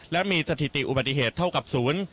และมีสถิติอุบัติเหตุเท่ากับศูนย์